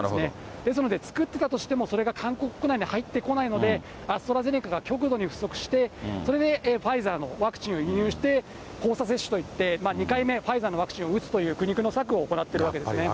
ですので作ってたとしても、それが韓国国内に入ってこないので、アストラゼネカが極度に不足して、それでファイザーのワクチンを輸入して、交差接種といって、２回目、ファイザーのワクチンを打つという苦肉の策を行っているわけです